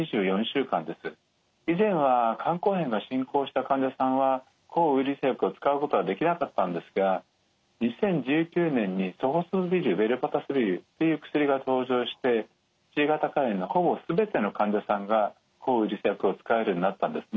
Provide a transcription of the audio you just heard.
以前は肝硬変が進行した患者さんは抗ウイルス薬を使うことはできなかったんですが２０１９年にソホスブビル・ベルパタスビルっていう薬が登場してＣ型肝炎のほぼ全ての患者さんが抗ウイルス薬を使えるようになったんですね。